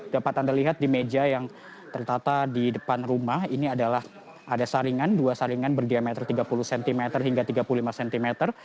dapat anda lihat di meja yang tertata di depan rumah ini adalah ada saringan dua saringan berdiameter tiga puluh cm hingga tiga puluh lima cm